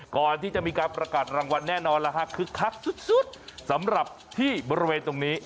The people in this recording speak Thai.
ก่อนที่จะมีการประกาศรางวัลแน่นอนแล้วฮะคึกคักสุดสำหรับที่บริเวณตรงนี้